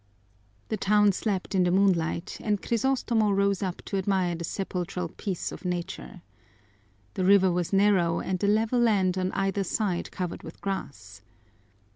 The town slept in the moonlight, and Crisostomo rose up to admire the sepulchral peace of nature. The river was narrow and the level land on either side covered with grass.